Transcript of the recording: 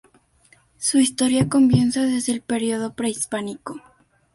Su Historia comienza desde el período prehispánico.